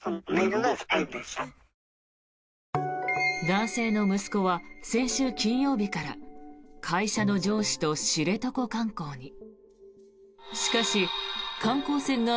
男性の息子は先週金曜日から会社の上司と知床観光に。